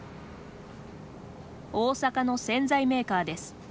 大阪の洗剤メーカーです。